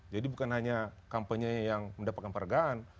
jadi bukan hanya kampanye yang mendapatkan penghargaan